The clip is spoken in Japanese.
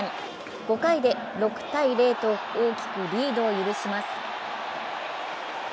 ５回で６−０と大きくリードを許します。